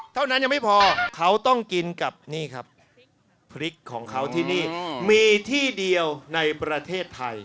เท่านั้นยังไม่พอเขาต้องกินกับนี่ครับพริกของเขาที่นี่มีที่เดียวในประเทศไทย